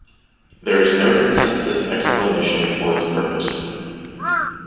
There is no consensus explanation for its purpose.